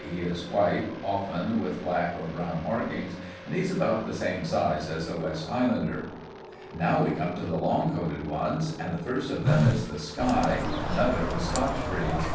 He is white, often with black or brown markings, and he's about the same size as the West Highlander. "Now we come to the long coated ones, and the first of them is the Skye, another of the Scotch breeds.